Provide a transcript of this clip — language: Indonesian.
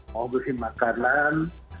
mau beli makanan